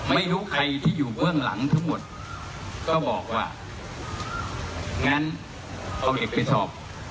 ไม่รู้ใครที่อยู่เบื้องหลังทั้งหมดก็บอกว่างั้นเอาเด็กไปสอบ